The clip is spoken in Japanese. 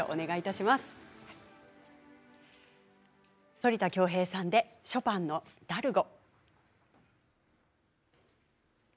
反田恭平さんでショパンの「ラルゴ」。